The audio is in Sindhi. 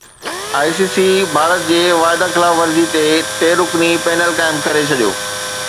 آءِ سي سي ڀارت جي واعدي خلاف ورزي تي ٽي رڪني پينل قائم ڪري ڇڏيو